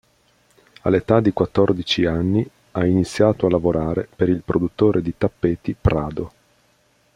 All'età di quattordici anni ha iniziato a lavorare per il produttore di tappeti Prado.